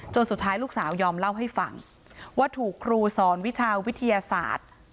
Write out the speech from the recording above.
สุดท้ายลูกสาวยอมเล่าให้ฟังว่าถูกครูสอนวิชาวิทยาศาสตร์